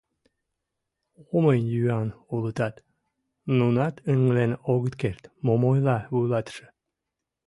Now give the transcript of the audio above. Омыюан улытат, нунат ыҥлен огыт керт: мом ойла вуйлатыше?